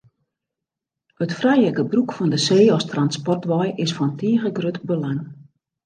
It frije gebrûk fan de see as transportwei is fan tige grut belang.